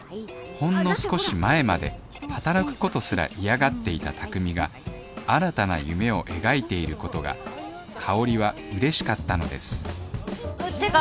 ほんの少し前まで働くことすら嫌がっていた卓海が新たな夢を描いていることが香は嬉しかったのですてか